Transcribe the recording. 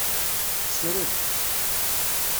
Sred.